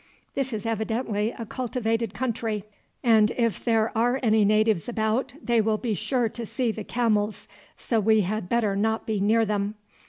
This is evidently a cultivated country, and if there are any natives about they will be sure to see the camels, so we had better not be near them.